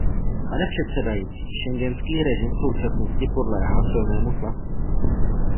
Pane předsedající, schengenský režim v současnosti podléhá silnému tlaku.